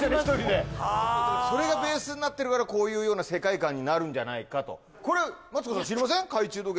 １人でそれがベースになってるからこういうような世界観になるんじゃないかとこれマツコさん知りません？